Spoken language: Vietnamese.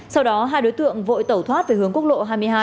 sau đó hai đối tượng vội tẩu thoát về hướng quốc lộ hai mươi hai